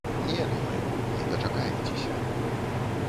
Не, думаю, не дачакаецеся.